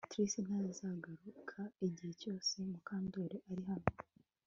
Trix ntazagaruka igihe cyose Mukandoli ari hano